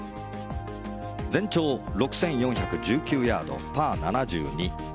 全長６４１９ヤード、パー７２。